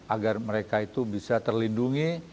agar mereka itu bisa terlindungi